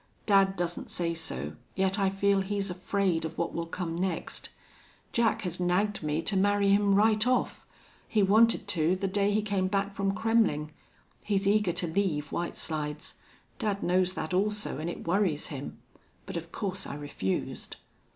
Dad doesn't say so, yet I feel he's afraid of what will come next.... Jack has nagged me to marry him right off. He wanted to the day he came back from Kremmling. He's eager to leave White Slides. Dad knows that, also, and it worries him. But of course I refused."